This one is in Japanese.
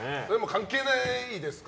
関係ないですか？